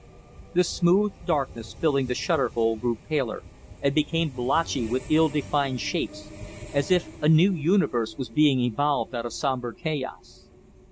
The smooth darkness filling the shutter hole grew paler and became blotchy with ill defined shapes, as if a new universe was being evolved out of sombre chaos.